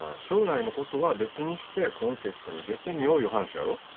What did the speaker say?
将来のことは別にしてコンテストに出てみよいう話やろ？